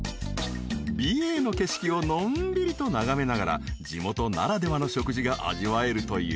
［美瑛の景色をのんびりと眺めながら地元ならではの食事が味わえるという］